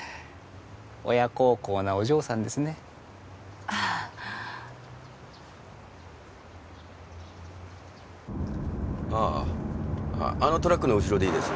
親孝行なお嬢さんですねあああああのトラックの後ろでいいです